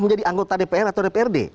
menjadi anggota dpr atau dprd